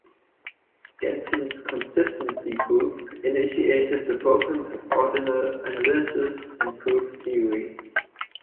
Gentzen's consistency proof initiated the program of ordinal analysis in proof theory.